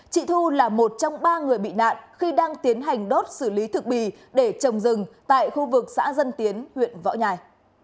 chị thu là một trong ba người bị nạn khi đang tiến hành đốt xử lý thực bì để trồng rừng tại khu vực xã dân tiến huyện võ nhai